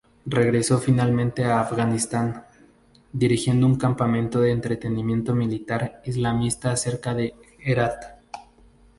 Regresó finalmente a Afganistán, dirigiendo un campamento de entrenamiento militar islamista cerca de Herat.